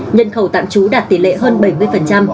nhân khẩu tạm trú đạt tỷ lệ hơn bảy mươi